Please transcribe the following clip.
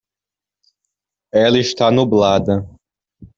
Ela está nublada.